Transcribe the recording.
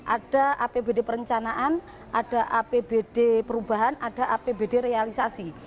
ada apbd perencanaan ada apbd perubahan ada apbd realisasi